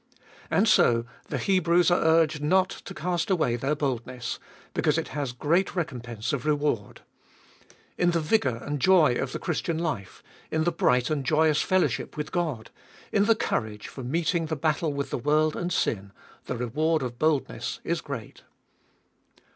And so the Hebrews are urged not to cast away their boldness, because it has great recompense of reward. In the vigour and joy of the Christian life, in the bright and joyous fellowship with God, in the courage for meeting the battle with the world and sin, the reward of boldness is great.